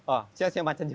oh saya siap macam juga